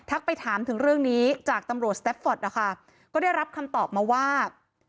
ทักไปถามถึงเรื่องนี้จากตำรวจนะคะก็ได้รับคำตอบมาว่า